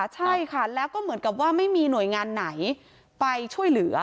ใช่ค่ะแล้วก็เหมือนกับว่าไม่มีหน่วยงานไหนไปช่วยเหลือ